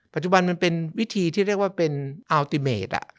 ปัจจุบันมันเป็นวิธีที่เรียกว่าเป็นอัลติเมตร